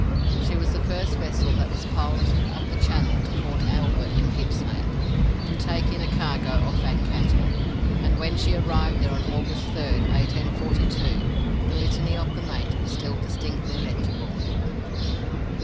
She was the first vessel that was piloted up the channel to Port Albert in Gippsland, to take in a cargo of fat cattle, and when she arrived there on August 3rd, 1842, the litany of the mate was still distinctly legible.